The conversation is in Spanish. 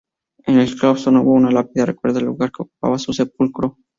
En el claustro nuevo una lápida recuerda el lugar que ocupaba su sepulcro.